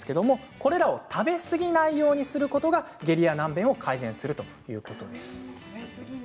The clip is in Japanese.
これを食べ過ぎないようにすることが下痢や軟便を改善するということなんです。